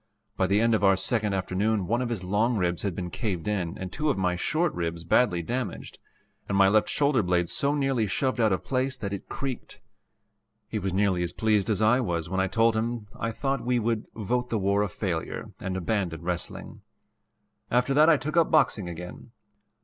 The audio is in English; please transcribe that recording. By the end of our second afternoon one of his long ribs had been caved in and two of my short ribs badly damaged, and my left shoulder blade so nearly shoved out of place that it creaked. He was nearly as pleased as I was when I told him I thought we would "vote the war a failure" and abandon wrestling. After that I took up boxing again.